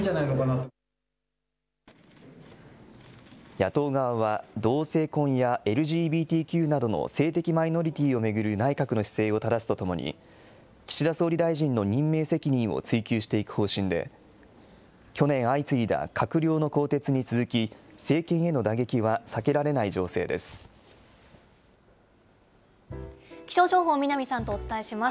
野党側は、同性婚やＬＧＢＴＱなどの性的マイノリティーを巡る内閣の姿勢をただすとともに、岸田総理大臣の任命責任を追及していく方針で、去年相次いだ閣僚の更迭に続き、政権への打撃は避けられない情勢気象情報、南さんとお伝えします。